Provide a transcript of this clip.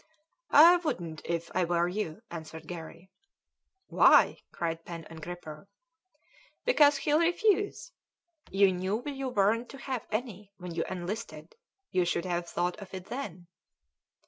"I wouldn't if I were you," answered Garry. "Why?" cried Pen and Gripper. "Because he'll refuse. You knew you weren't to have any when you enlisted; you should have thought of it then."